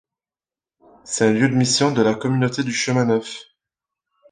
C'est un lieu de mission de la Communauté du Chemin Neuf.